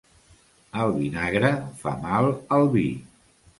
El vinagre fa mal al vi.